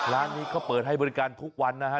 ร้านนี้เขาเปิดให้บริการทุกวันนะฮะ